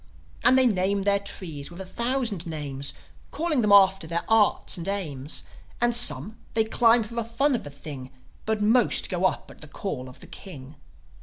And they name their trees with a thousand names, Calling them after their Arts and Aims; And some, they climb for the fun of the thing, But most go up at the call of the King.